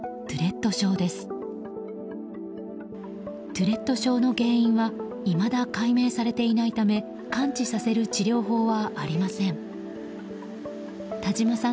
トゥレット症の原因はいまだ解明されていないため完治させる治療法はありません。